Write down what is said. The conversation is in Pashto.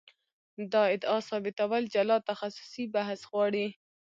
دا ادعا ثابتول جلا تخصصي بحث غواړي.